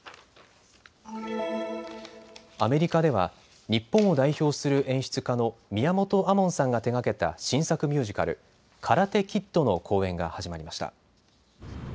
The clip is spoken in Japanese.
アメリカでは日本を代表する演出家の宮本亞門さんが手がけた新作ミュージカル、カラテ・キッドの公演が始まりました。